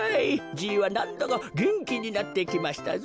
じいはなんだかげんきになってきましたぞ。